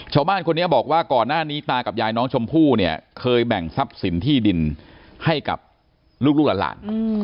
ชาวบ้านคนนี้บอกว่าก่อนหน้านี้ตากับยายน้องชมพู่เนี่ยเคยแบ่งทรัพย์สินที่ดินให้กับลูกหลาน